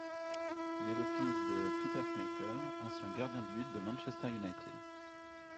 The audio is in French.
Il est le fils de Peter Schmeichel, ancien gardien de but de Manchester United.